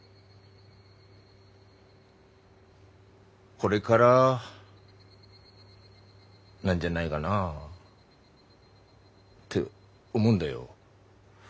これからなんじゃないがなあ。って思うんだよ。